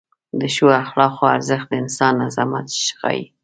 د ښو اخلاقو ارزښت د انسان عظمت ښیي.